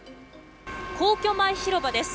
皇居前広場です。